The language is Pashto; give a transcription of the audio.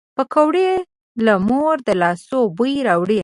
پکورې له مور د لاسو بوی راوړي